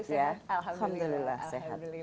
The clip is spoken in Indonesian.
sehat ya alhamdulillah sehat